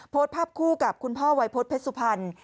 โพสต์ภาพคู่กับคุณพ่อวัยพฤษเพชรสุพรรณ